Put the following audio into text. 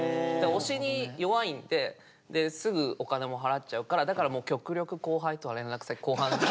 押しに弱いんですぐお金も払っちゃうからだからもう極力後輩とは連絡先交換。